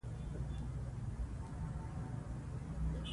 دځنګل حاصلات د افغانانو د ژوند طرز پوره اغېزمنوي.